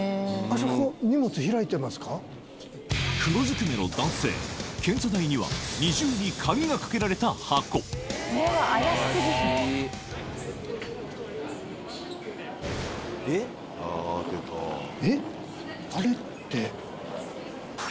黒ずくめの男性検査台には二重に鍵が掛けられた箱あれって。